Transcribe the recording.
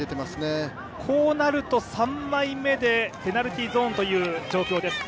こうなると、３枚目でペナルティーゾーンという状況です。